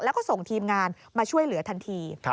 แล้วก็ส่งทีมงานมาช่วยเหลือทันที